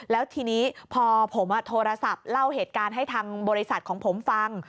แล้วทีนี้พอผมโทรศัพท์เล่าเหตุการณ์ให้ทางบริษัทของผมฟัง